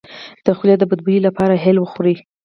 د خولې د بد بوی لپاره هل وخورئ